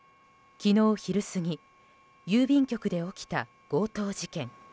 昨日昼過ぎ郵便局で起きた強盗事件。